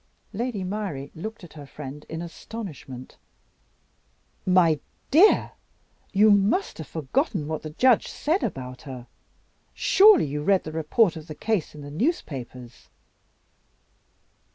Lady Myrie looked at her friend in astonishment. "My dear, you must have forgotten what the judge said about her. Surely you read the report of the case in the newspapers?"